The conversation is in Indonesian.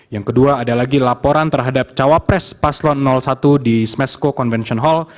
yang kedua ada lagi laporan terhadap cawapres paslon satu di smesco convention hall